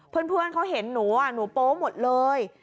เพื่อนเขาเห็นหนูหนูโป๊หมดเลย